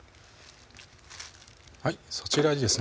はいそちらにですね